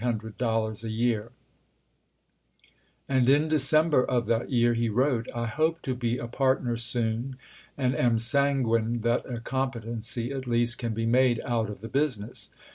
drecl, dollars a year ; and in December of that year he wrote :" I hope to be a partner soon, and am sanguine that a competency at least can be made out of the business."